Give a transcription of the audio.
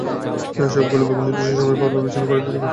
সবগুলো বগি নির্দিষ্ট সময় পরপর বিচ্ছিন্ন করে দিতে হবে।